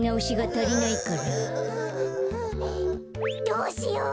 どうしよう。